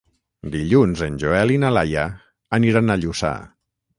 Dilluns en Joel i na Laia aniran a Lluçà.